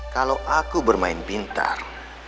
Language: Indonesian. kalau aku bermain pintar